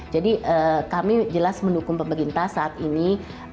jadi kami jelas mendukung pemerintah saat ini